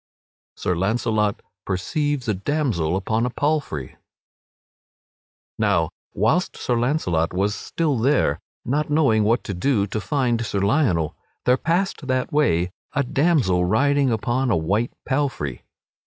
[Sidenote: Sir Launcelot perceives a damsel upon a palfrey] Now whilst Sir Launcelot was still there, not knowing what to do to find Sir Lionel, there passed that way a damsel riding upon a white palfrey.